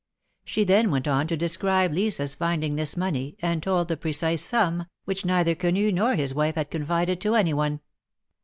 She then went on to describe Lisa's finding this money, and told the precise sum, which neither Quenu nor his wife had confided to any one.